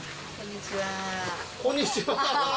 こんにちは。